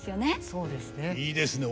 そうですね。